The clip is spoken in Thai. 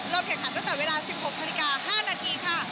แข่งขันตั้งแต่เวลา๑๖นาฬิกา๕นาทีค่ะ